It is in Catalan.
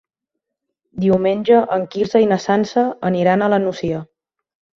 Diumenge en Quirze i na Sança aniran a la Nucia.